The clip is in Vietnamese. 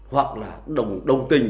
hoặc là đồng tình